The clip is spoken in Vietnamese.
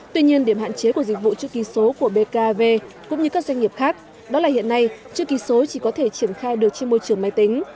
tuy nhiên điểm hạn chế của dịch vụ chữ ký số của bkav cũng như các doanh nghiệp khác đó là hiện nay chữ ký số chỉ có thể triển khai được trên môi trường máy tính